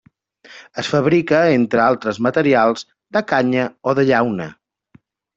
Es fabrica, entre altres materials, de canya o de llauna.